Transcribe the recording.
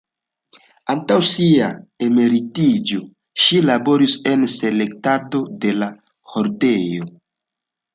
Antaŭ sia emeritiĝo, ŝi laboris en la selektado de la hordeo.